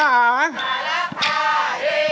ขอบคุณค่ะเหเรือบก